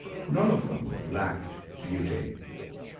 None of them lacked beauty.